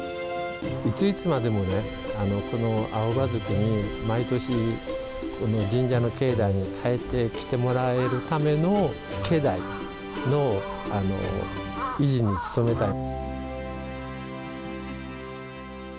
いついつまでもこのアオバズクに毎年神社の境内に帰ってきてもらえるための境内の維持に努めたい。